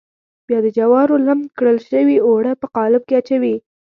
بیا د جوارو لمد کړل شوي اوړه په قالب کې اچوي.